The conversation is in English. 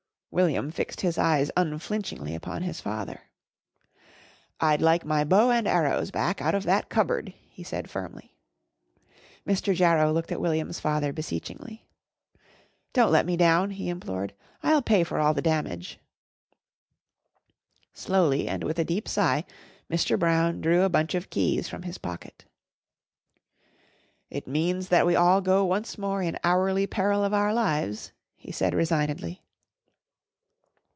William fixed his eyes unflinchingly upon his father. "I'd like my bow and arrows back out of that cupboard," he said firmly. Mr. Jarrow looked at William's father beseechingly. "Don't let me down," he implored. "I'll pay for all the damage." Slowly and with a deep sigh Mr. Brown drew a bunch of keys from his pocket. "It means that we all go once more in hourly peril of our lives," he said resignedly.